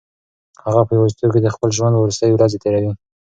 هغه په یوازیتوب کې د خپل ژوند وروستۍ ورځې تېروي.